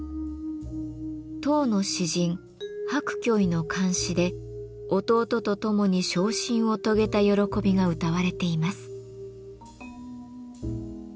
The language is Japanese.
唐の詩人白居易の漢詩で弟と共に昇進を遂げた喜びがうたわれています。